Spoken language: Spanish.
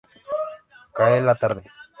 Cae la tarde.